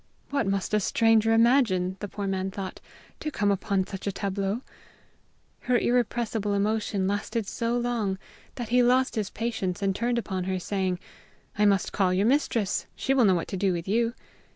"What must a stranger imagine," the poor man thought, "to come upon such a tableau?" Her irrepressible emotion lasted so long that he lost his patience and turned upon her, saying: "I must call your mistress; she will know what to do with you!"